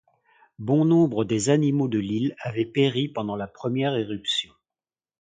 Bon nombre des animaux de l’île avaient péri pendant la première éruption.